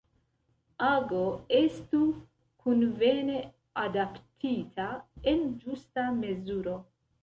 Ago estu konvene adaptita, en ĝusta mezuro.